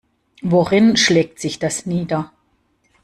Worin schlägt sich das nieder?